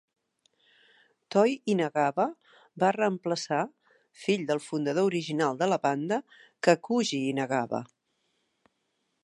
Toi Inagawa va reemplaçar, fill del fundador original de la banda, Kakuji Inagawa.